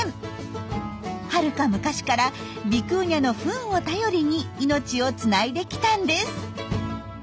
はるか昔からビクーニャのフンを頼りに命をつないできたんです。